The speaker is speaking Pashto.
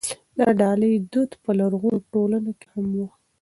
د ډالۍ دود په لرغونو ټولنو کې هم و.